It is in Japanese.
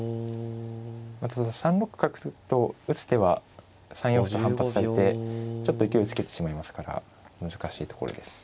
ただ３六角と打つ手は３四歩と反発されてちょっと勢いつけてしまいますから難しいところです。